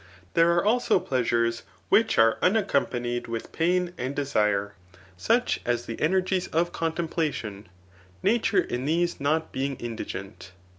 There are also {Measures which areunaccompa^ nied with pain and desire, such as the energies of con^ tonplation, nature ia these not being indigent*.